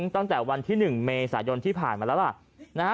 ตั้งแต่วันที่๑เมษายนที่ผ่านมาแล้วล่ะ